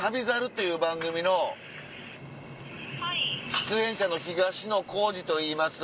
出演者の東野幸治といいます。